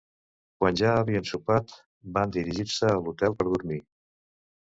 Quan ja havien sopat, van dirigir-se a l'hotel per dormir.